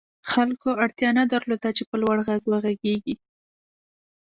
خلکو اړتیا نه درلوده چې په لوړ غږ وغږېږي